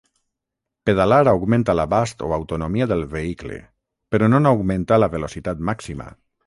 Pedalar augmenta l'abast o autonomia del vehicle, però no n'augmenta la velocitat màxima.